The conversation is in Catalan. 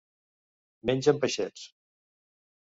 Mengen peixets.